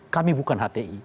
kami bukan hti